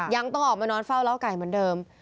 ยังต้องออกมานอนเฝ้าเล่าไก่เหมือนเดิม